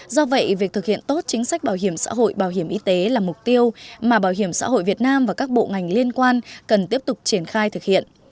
do vậy việc thực hiện tốt chính sách bảo hiểm xã hội bảo hiểm y tế là mục tiêu mà bảo hiểm xã hội việt nam và các bộ ngành liên quan cần tiếp tục triển khai thực hiện